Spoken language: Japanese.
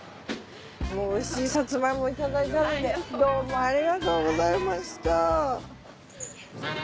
おいしいサツマイモいただいたのでどうもありがとうございました。